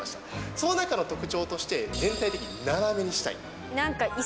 その中の特徴として、全体的に斜めにしたい。